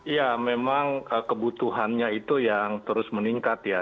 ya memang kebutuhannya itu yang terus meningkat ya